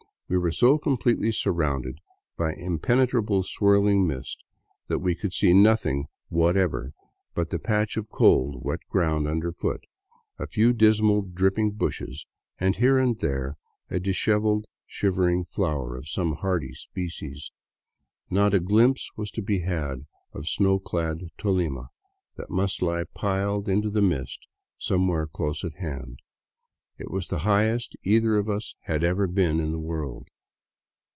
We were so completely surrounded by impenetrable swirling mist that we could see nothing whatever but the patch of cold, wet ground underfoot, a few dismal dripping bushes, and here and there a dishevelled shiver ing flower of some hardy species. Not a glimpse was to be had of ;snow clad ToHma that must lie piled into the mist somewhere close at hand. It was the highest either of us had ever been in the world.